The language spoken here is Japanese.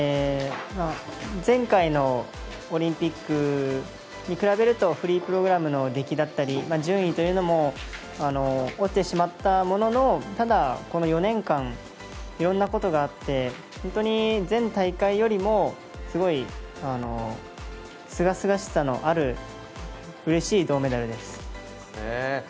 前回のオリンピックに比べるとフリープログラムの出来だったり順位というのも、落ちてしまったもののただ、この４年間いろんなことがあって本当に前大会よりもすごい、すがすがしさのあるうれしい銅メダルです。